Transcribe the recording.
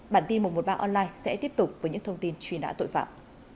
bản tin một trăm một mươi ba online sẽ tiếp tục với những thông tin truy nã tội phạm